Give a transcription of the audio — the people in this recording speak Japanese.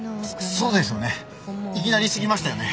そそうですよね。